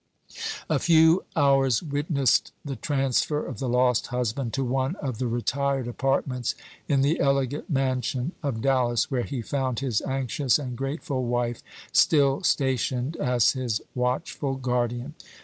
A few hours witnessed the transfer of the lost husband to one of the retired apartments in the elegant mansion of Dallas, where he found his anxious and grateful wife still stationed as his watchful guardian.